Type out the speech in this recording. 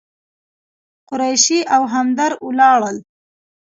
قریشي او همدرد ولاړل.